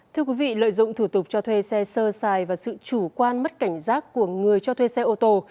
thưa quý vị lợi dụng thủ tục cho thuê xe sơ xài và sự chủ quan mất cảnh giác của người cho thuê xe ô tô